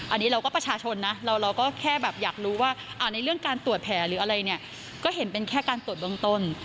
อันนี้เราก็ประชาชนนะเราก็แค่แบบอยากรู้ว่าในเรื่องการตรวจแผลหรืออะไรเนี่ยก็เห็นเป็นแค่การตรวจเบื้องต้น